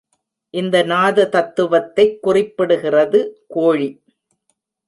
இந்த நாத தத்துவத்தைக் குறிப்பிக்கிறது கோழி.